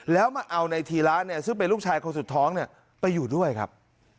แล้วมาเอาในธีระเนี่ยซึ่งเป็นลูกชายคนสุดท้องไปอยู่ด้วยครับ